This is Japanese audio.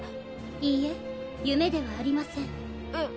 いいえ夢ではありません。え。